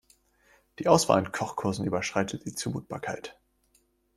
Die Auswahl an Kochkursen überschreitet die Zumutbarkeit.